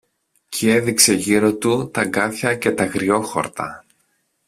Κι έδειξε γύρω του τ' αγκάθια και τ' αγριόχορτα